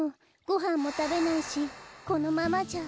ごはんもたべないしこのままじゃ。